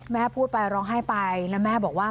แม่พูดไปร้องไห้ไปแล้วแม่บอกว่า